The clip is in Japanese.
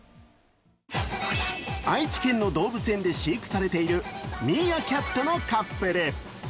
愛知県の動物園で飼育されているミーアキャットのカップル。